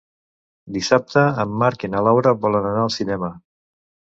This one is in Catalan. Dissabte en Marc i na Laura volen anar al cinema.